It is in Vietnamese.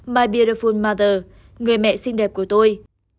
my beautiful mother người mẹ xinh đẹp của tôi